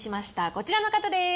こちらの方です。